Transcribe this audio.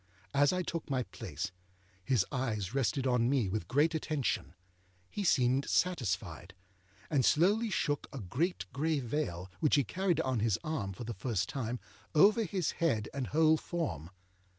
As I took my place, his eyes rested on me with great attention; he seemed satisfied, and slowly shook a great gray veil, which he carried on his arm for the first time, over his head and whole form.